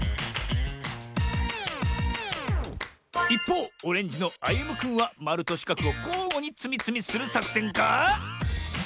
いっぽうオレンジのあゆむくんはまるとしかくをこうごにつみつみするさくせんか？